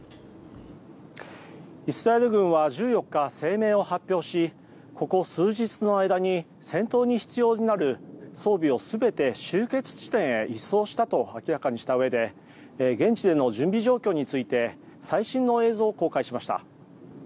イスラエル軍は１４日、声明を発表しここ数日の間に戦闘に必要となる装備を全て集結地点へ移送されたと明らかにした上で現地での準備状況について最新の映像を公開しました。